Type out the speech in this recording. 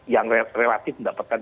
yang relatif mendapatkan